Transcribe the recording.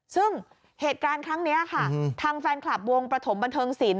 ซึ่งเหตุการณ์ครั้งนี้ค่ะทางแฟนคลับวงประถมบันเทิงศิลป